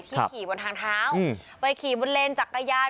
ขี่บนทางเท้าไปขี่บนเลนจักรยาน